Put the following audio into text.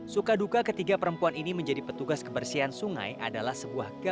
suka duka ketiga perempuan ini menjadi petugas kebersihan sungai adalah sebuah